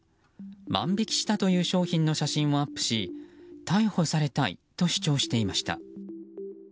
万引きしたという商品の写真をアップし逮捕されたいと主張していました。